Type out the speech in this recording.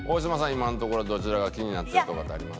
今のところどちらが気になってるとかってあります？